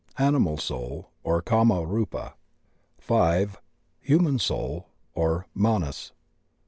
Animal Soul, or Kama Rupa. (5.) Human Soul, or Manas.